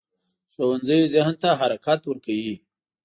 ښوونځی ذهن ته حرکت ورکوي